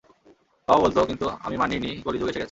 বাবা বলতো কিন্ত আমি মানি নি কলি যুগ এসে গেছে।